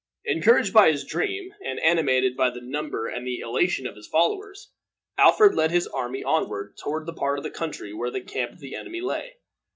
Encouraged by his dream, and animated by the number and the elation of his followers, Alfred led his army onward toward the part of the country where the camp of the enemy lay.